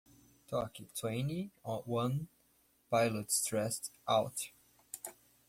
Toque twenty one pilots Stressed Out.